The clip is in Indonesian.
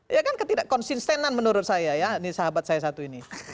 ya kan ketidak konsistenan menurut saya ya ini sahabat saya satu ini